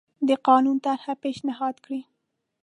د قانون طرحه پېشنهاد کړي.